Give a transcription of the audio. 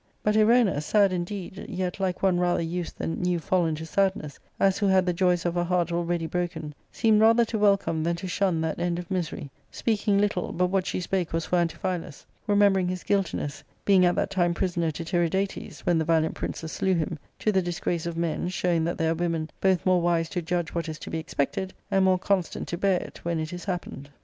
But Erona, sad indeed, yet like one rather used than new fallen to sadness, as who had the joys of her heart already broken, seemed rather to welcome than to shun that end of misery, speaking little, but what she spake was for Antiphilus, remembering his guiltiness, being at that time prisoner to Tiridates when the valiant princes slew him ; to the disgrace of men, show ing that there are women both more wise to judge what is to be expected, and more constant to bear it when it is happened.